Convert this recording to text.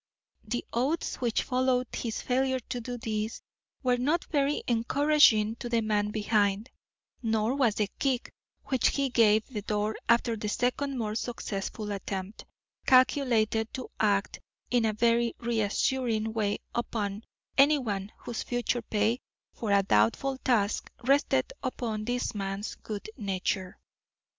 The oaths which followed his failure to do this were not very encouraging to the man behind, nor was the kick which he gave the door after the second more successful attempt calculated to act in a very reassuring way upon anyone whose future pay for a doubtful task rested upon this man's good nature.